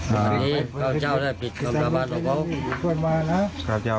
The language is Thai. ตอนนี้พระเจ้าได้ผิดคำสาบานของเขา